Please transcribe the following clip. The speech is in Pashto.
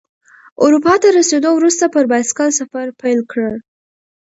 اروپا ته رسیدو وروسته پر بایسکل سفر پیل کړ.